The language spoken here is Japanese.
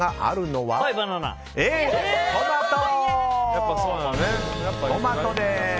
Ａのトマトです。